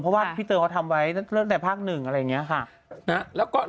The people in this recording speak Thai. เพราะว่าพี่เตยเขาทำไว้ตั้งแต่ภาคหนึ่งอะไรอย่างนี้ค่ะ